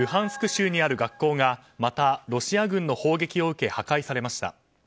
州にある学校がまたロシア軍の砲撃を受け破壊されました。